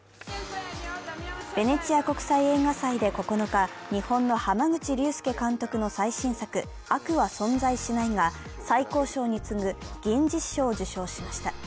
ベネチア国際映画祭で９日、日本の濱口竜介監督の最新作、「悪は存在しない」が最高賞に次ぐ銀獅子賞を受賞しました。